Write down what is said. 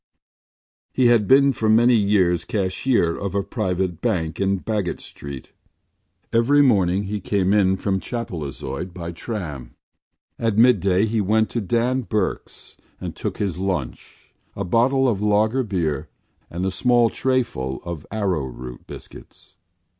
He had been for many years cashier of a private bank in Baggot Street. Every morning he came in from Chapelizod by tram. At midday he went to Dan Burke’s and took his lunch—a bottle of lager beer and a small trayful of arrowroot biscuits.